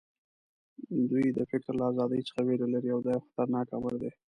دوی د فکر له ازادۍ څخه وېره لري او دا یو خطرناک امر دی